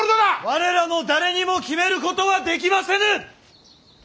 我らの誰にも決めることはできませぬ！